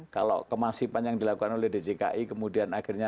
kalau kemasipan yang dilakukan oleh djki kemudian akhirnya